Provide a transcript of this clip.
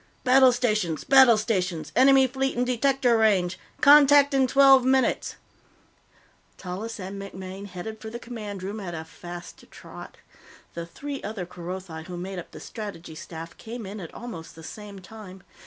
"Battle stations! Battle stations! Enemy fleet in detector range! Contact in twelve minutes!" Tallis and MacMaine headed for the Command Room at a fast trot. The three other Kerothi who made up the Strategy Staff came in at almost the same time.